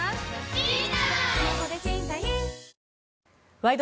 「ワイド！